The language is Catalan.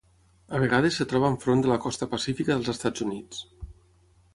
A vegades es troba enfront de la costa pacífica dels Estats Units.